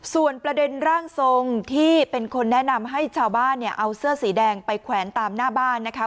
ส่วนประเด็นร่างทรงที่เป็นคนแนะนำให้ชาวบ้านเนี่ยเอาเสื้อสีแดงไปแขวนตามหน้าบ้านนะคะ